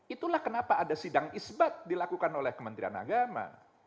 itulah kenapa ada sidang isbat dilakukan oleh kementerian agama